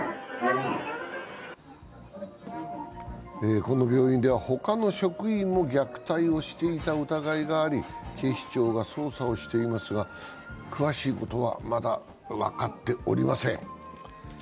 この病院ではほかの職員も虐待をしていた疑いがあり警視庁が捜査をしていますが詳しい事はまだ分かっておりません。